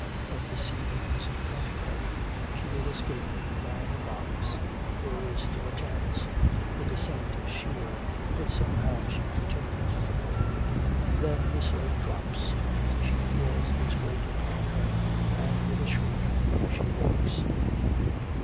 But the sea is in front of her. She will escape down the rocks there is still a chance! The descent is sheer, but somehow she retains foothold. Then the snake drops she feels its weight upon her, and with a shriek she awakes.